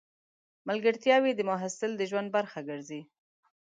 ملګرتیاوې د محصل د ژوند برخه ګرځي.